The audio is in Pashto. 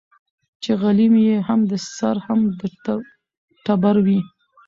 چي غلیم یې هم د سر هم د ټبر وي